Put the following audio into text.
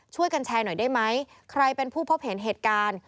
ช่วยกันแชร์หน่อยได้ไหมใครเป็นผู้พบเห็นเหตุการณ์